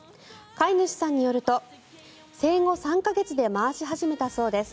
飼い主さんによると生後３か月で回し始めたそうです。